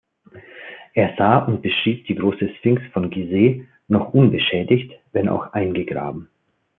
Er sah und beschrieb die Große Sphinx von Gizeh noch unbeschädigt, wenn auch eingegraben.